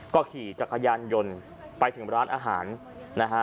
ก็ขี่จักรยานยนต์ไปถึงร้านอาหารนะฮะ